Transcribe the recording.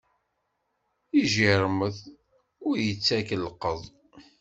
Ijiṛmeḍ ur ittak llqeḍ.